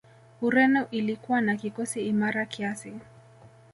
ureno ilikuwa na kikosi imara kiasi